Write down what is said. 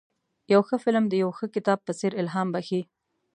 یو ښه فلم د یو ښه کتاب په څېر الهام بخښي.